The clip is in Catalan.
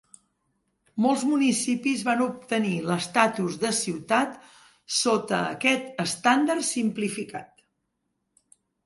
Molts municipis van obtenir l"estatus de ciutat sota aquest estàndard simplificat.